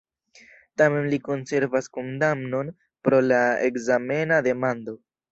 Tamen, li konservas kondamnon pro la ekzamena demando.